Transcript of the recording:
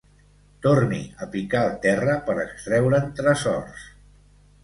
Torni a picar el terra per extreure'n tresors.